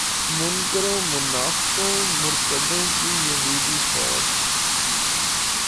منکروں منافقوں مرتدوں کی یزیدی فوج